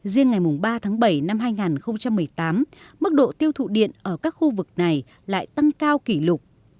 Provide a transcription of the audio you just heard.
riêng ngày ba tháng bảy năm hai nghìn một mươi tám mức độ tiêu thụ điện ở các khu vực này lại tăng cao kỷ lục